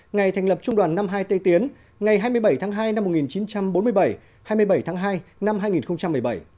ngày thành lập trung đoàn năm mươi hai tây tiến ngày hai mươi bảy tháng hai năm một nghìn chín trăm bốn mươi bảy hai mươi bảy tháng hai năm hai nghìn một mươi bảy